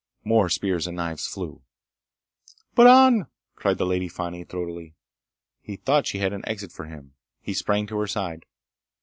More spears and knives flew. "Bron!" cried the Lady Fani, throatily. He thought she had an exit for him. He sprang to her side.